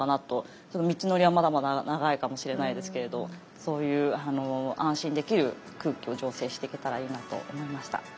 その道のりはまだまだ長いかもしれないですけれどそういう安心できる空気を醸成していけたらいいなと思いました。